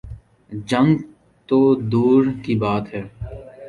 جنگ تو دور کی بات ہے۔